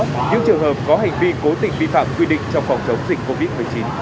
những trường hợp có hành vi cố tình vi phạm quy định trong phòng chống dịch covid một mươi chín